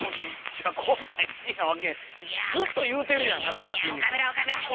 いやこんなん１位なわけずっと言うてるやんなかやまきんに君！